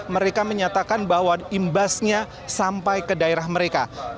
mereka menyatakan bahwa imbasnya sampai ke daerah mereka